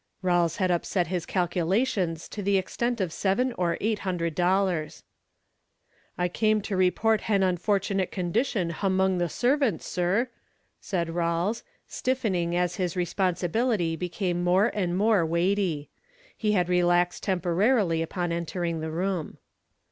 Rawles had upset his calculations to the extent of seven or eight hundred dollars. "I came to report h'an unfortunate condition h'among the servants, sir," said Rawies, stiffening as his responsibility became more and more weighty. He had relaxed temporarily upon entering the room.